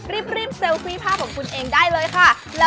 รีบเซลฟี่ภาพของคุณเองได้เลยค่ะ